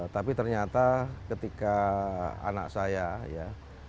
tapi ternyata ketika anak saya ya